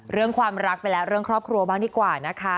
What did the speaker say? เรื่องความรักไปแล้วเรื่องครอบครัวบ้างดีกว่านะคะ